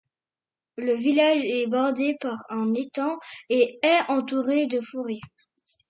Le village est bordé par un étang et est entouré de forêts.